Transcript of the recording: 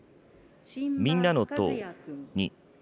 みんなの党２。